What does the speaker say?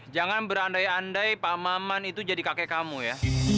jangan berandai andai pak maman itu jadi kakek kamu ya